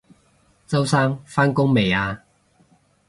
周生返工未啊？